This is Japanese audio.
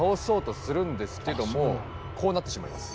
こうなってしまいます。